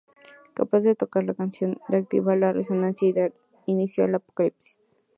Capaz de tocar la canción que activa la resonancia y dar inicio al Apocalipsis.